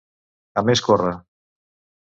A més córrer.